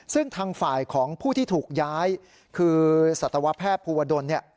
ซึ่งทางฝ่ายของผู้ที่ถูกย้ายคือสัตวแพทย์ภูวดลเนี่ย